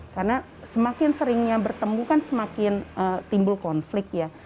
karena semakin seringnya bertemu kan semakin timbul konflik ya